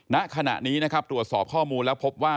ณขณะนี้นะครับตรวจสอบข้อมูลแล้วพบว่า